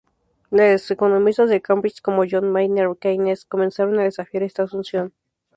Los economistas de Cambridge, como John Maynard Keynes, comenzaron a desafiar esta asunción.